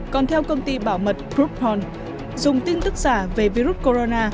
còn theo công ty bảo mật groupon dùng tin tức giả về virus corona